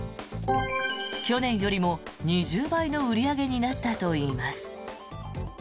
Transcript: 去年よりも２０倍の売り上げになったといいます。